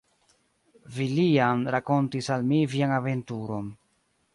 Villiam rakontis al mi vian aventuron.